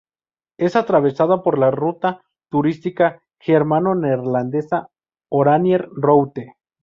Es atravesada por la ruta turística germano-neerlandesa Oranier-Route.